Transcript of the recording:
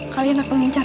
kalian akan mencar